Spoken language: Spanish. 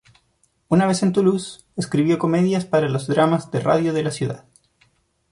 Una vez en Toulouse, escribió comedias para los dramas de radio de la ciudad.